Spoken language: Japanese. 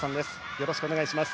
よろしくお願いします。